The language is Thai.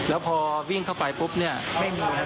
แล้วพอวิ่งเข้าไปปุ๊บเนี่ยไม่มี